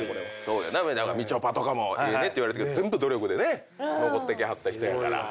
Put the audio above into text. だからみちょぱとかもええねって言われてるけど努力でね残ってきはった人やから。